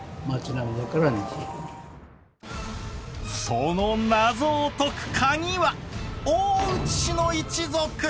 その謎を解く鍵は大内氏の一族！